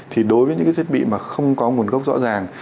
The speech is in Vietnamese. thì đối với những cái thiết bị mà không có nguồn gốc rõ ràng